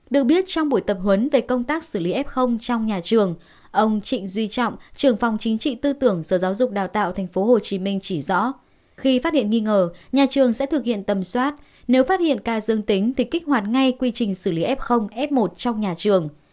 được biết trong buổi tập huấn về công tác xử lý f trong nhà trường ông trịnh duy trọng trường phòng chính trị tư tưởng sở giáo dục đào tạo tp hcm chỉ rõ khi phát hiện nghi ngờ nhà trường sẽ thực hiện tầm soát nếu phát hiện ca dương tính thì kích hoạt ngay quy trình xử lý f f một trong nhà trường